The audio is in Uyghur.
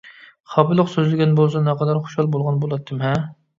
خاپىلىق سۆزلىگەن بولسا نەقەدەر خۇشال بولغان بۇلاتتىم ھە!